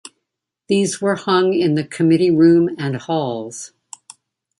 These were hung in the committee room and halls.